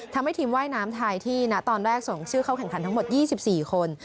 ทำให้ทีมว่ายน้ำไทยที่นะตอนแรกส่งชื่อเข้าแข่งขันทั้งหมด๒๔คน